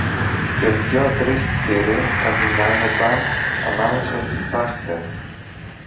και δυο τρεις τσίροι καρβουνιάζουνταν ανάμεσα στις στάχτες.